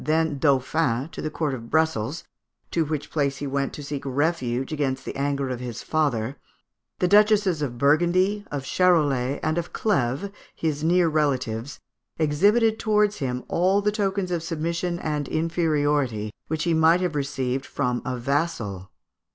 then Dauphin, to the court of Brussels, to which place he went to seek refuge against the anger of his father, the Duchesses of Burgundy, of Charolais, and of Clèves, his near relatives, exhibited towards him all the tokens of submission and inferiority which he might have received from a vassal.